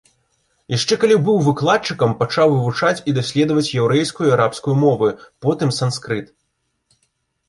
Яшчэ калі быў выкладчыкам, пачаў вывучаць і даследаваць яўрэйскую і арабскую мовы, потым санскрыт.